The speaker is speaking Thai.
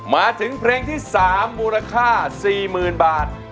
มาถึงเพลงที่๓มูลค่า๔๐๐๐บาท